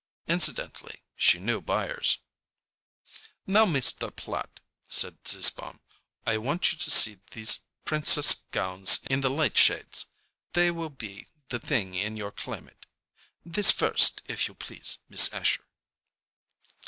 Incidentally, she knew buyers. "Now, Mr. Platt," said Zizzbaum, "I want you to see these princess gowns in the light shades. They will be the thing in your climate. This first, if you please, Miss Asher."